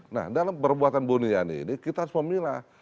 nah dalam perbuatan bu buniyani ini kita harus memilah